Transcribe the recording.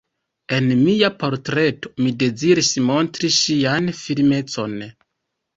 En mia portreto mi deziris montri ŝian firmecon.